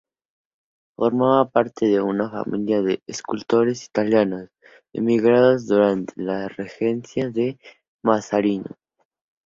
Formaba parte de una familia de escultores italianos, emigrados durante la regencia de Mazarino.